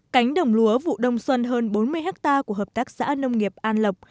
cánh đồng lúa vụ đông xuân hơn bốn mươi hectare của hợp tác xã nông nghiệp an lộc